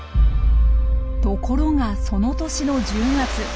ところがその年の１０月。